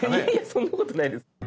そんなことないです。